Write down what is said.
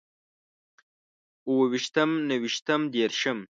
اوويشتم، نهويشتم، ديرشم